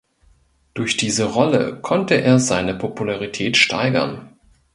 Durch diese Rolle konnte er seine Popularität steigern.